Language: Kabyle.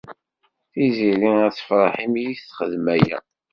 Tiziri ad tefṛeḥ imi i texdem aya.